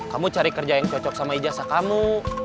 kamu cari kerja yang cocok sama ijasa kamu